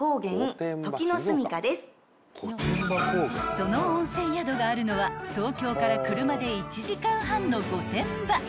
［その温泉宿があるのは東京から車で１時間半の］